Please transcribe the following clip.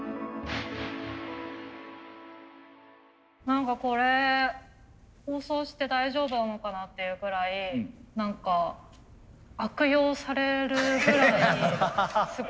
何かこれ放送して大丈夫なのかなっていうぐらい何か悪用されるぐらいすごい分かりやすくて。